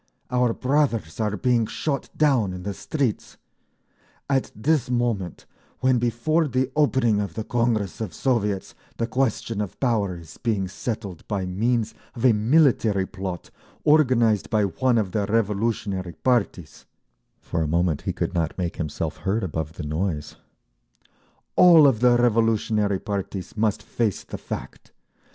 Our brothers are being shot down in the streets! At this moment, when before the opening of the Congress of Soviets the question of Power is being settled by means of a military plot organised by one of the revolutionary parties—" for a moment he could not make himself heard above the noise, "All of the revolutionary parties must face the fact!